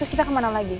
terus kita kemana lagi